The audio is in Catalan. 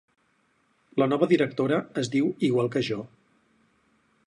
La nova directora es diu igual que jo!